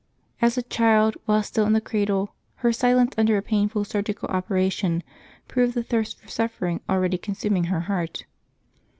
As a child, while still in the cradle, her silence under a painful surgical operation proved the thirst for suffering already consuming her heart.